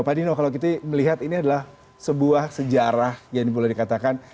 pak dino kalau kita melihat ini adalah sebuah sejarah yang boleh dikatakan